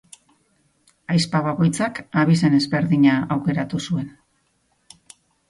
Ahizpa bakoitzak abizen ezberdina aukeratu zuen.